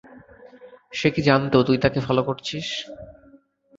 সে কি জানত তুই তাকে ফলো করছিস?